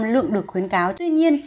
lượng được khuyến cáo tuy nhiên